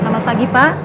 selamat pagi pak